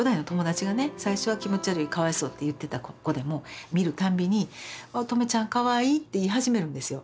最初は気持ち悪いかわいそうって言ってた子でも見るたんびに「音十愛ちゃんかわいい」って言い始めるんですよ。